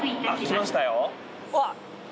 来ましたよ。